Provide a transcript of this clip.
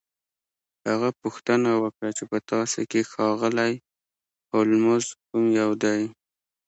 هغه پوښتنه وکړه چې په تاسو کې ښاغلی هولمز کوم یو دی